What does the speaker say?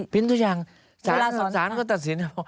พิธีทุกอย่างศาลเขาตัดสิน